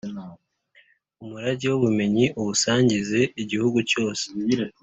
Umurage w’ubumenyi awusangize igihugu cyose